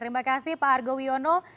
terima kasih pak argo wiono